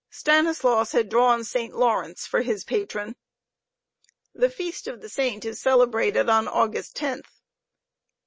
Stanislaus had drawn Saint Lawrence for his patron. The feast of the Saint is celebrated on August 10th.